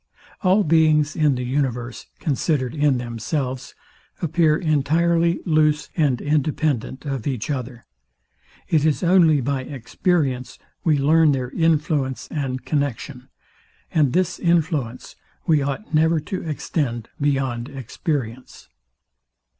All beings in the universe, considered in themselves, appear entirely loose and independent of each other. It is only by experience we learn their influence and connexion; and this influence we ought never to extend beyond experience.